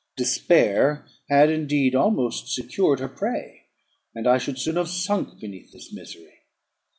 Despair had indeed almost secured her prey, and I should soon have sunk beneath this misery.